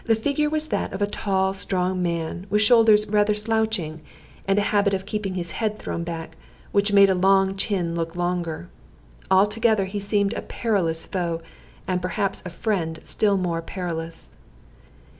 The figure was that of a tall strong man, with shoulders rather slouching, and a habit of keeping his head thrown back, which made a long chin look longer. Altogether he seemed a perilous foe, and perhaps a friend still more perilous.